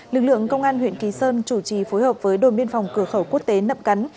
lực lượng công an huyện kỳ sơn chủ trì phối hợp với đồn biên phòng cửa khẩu quốc tế nậm cắn